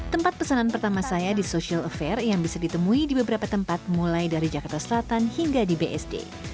tempat pesanan pertama saya di social affair yang bisa ditemui di beberapa tempat mulai dari jakarta selatan hingga di bsd